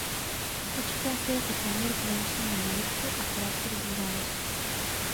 Vypočítá se jako poměr finančního majetku a krátkodobých závazků.